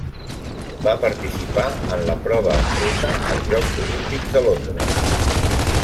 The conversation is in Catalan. Va participar en la prova en ruta als Jocs Olímpics de Londres.